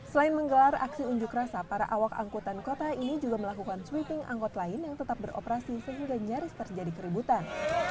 selain menggelar aksi unjuk rasa para awak angkutan kota ini juga melakukan sweeping angkot lain yang tetap beroperasi sehingga nyaris terjadi keributan